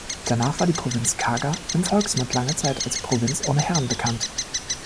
Danach war die Provinz Kaga im Volksmund lange Zeit als „Provinz ohne Herrn“ bekannt.